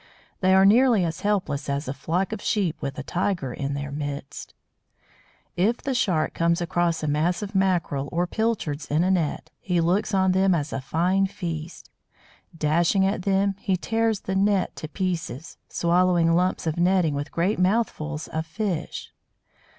They are nearly as helpless as a flock of sheep with a tiger in their midst. [Illustration: THE ELECTRIC RAY] If the Shark comes across a mass of Mackerel or Pilchards in a net, he looks on them as a fine feast. Dashing at them, he tears the net to pieces, swallowing lumps of netting with great mouthfuls of fish.